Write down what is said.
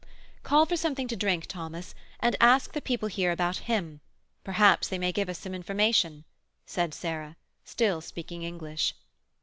"Call for something to drink, Thomas, and ask the people here about him; perhaps they may give us some information," said Sarah, still speaking English.